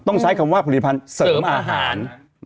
ต้องใช้คำว่าผลิตภัณฑ์เสริมอาหาร